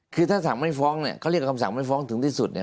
คือถ้าสั่งไม่ฟ้องเขาเรียกว่าคำสั่งไม่ฟ้องถึงที่สุด